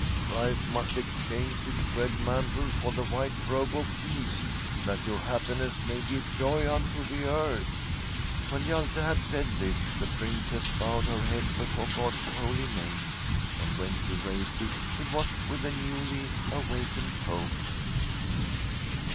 Strife must exchange its red mantle for the white robe of peace, tluit your happiness may give joy unto the earth.' When Hjalte had said this, the Princess bowed her head before God's holy name, and when she raised it, it was with a newly awakened hope.